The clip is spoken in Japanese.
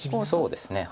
そうですね。